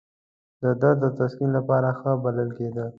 د درد او تسکین لپاره ښه بلل کېده.